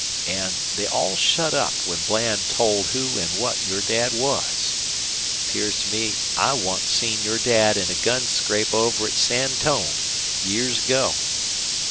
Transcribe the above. An' they all shut up when Bland told who an' what your Dad was. 'Pears to me I once seen your Dad in a gunscrape over at Santone, years ago.